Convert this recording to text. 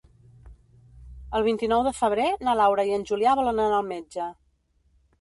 El vint-i-nou de febrer na Laura i en Julià volen anar al metge.